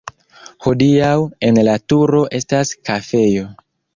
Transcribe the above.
Hodiaŭ en la turo estas kafejo.